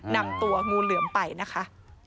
นำตัวงูเหลือมไปนะคะ